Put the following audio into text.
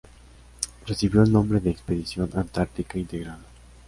Recibió el nombre de Expedición Antártica Integrada.